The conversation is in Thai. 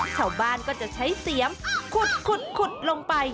ชาวบ้านก็จะใช้เสียมขุดลงไป